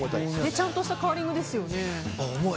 ちゃんとしたカーリングですよね。